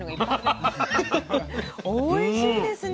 おいしいですね。